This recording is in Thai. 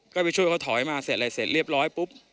ก็ไปช่วยเขาถอยมาเสร็จอะไรเสร็จเรียบร้อยปุ๊บ